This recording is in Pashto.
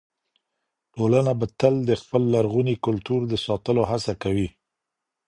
ټولنه به تل د خپل لرغوني کلتور د ساتلو هڅه کوي.